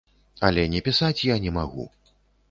Але не пісаць я не магу.